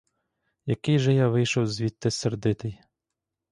Який же я вийшов звідти сердитий!